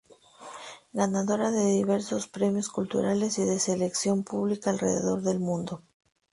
Ganadora de diversos premios culturales y de selección pública alrededor del mundo.